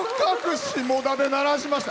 下田で鳴らしました。